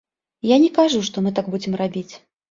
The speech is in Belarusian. Я не кажу, што мы так будзем рабіць.